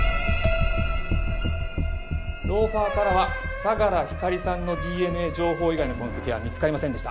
ローファーからは相良光莉さんのＤＮＡ情報以外の痕跡は見つかりませんでした。